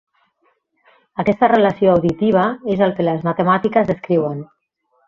Aquesta relació auditiva és el que les matemàtiques descriuen.